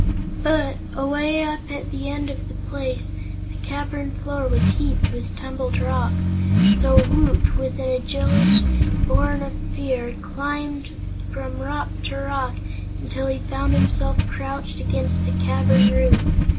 But, away up at the end of the place, the cavern floor was heaped with tumbled rocks, so Woot, with an agility born of fear, climbed from rock to rock until he found himself crouched against the cavern roof.